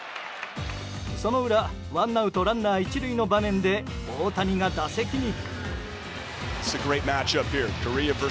その裏、ワンアウトランナー１塁の場面で大谷が打席に。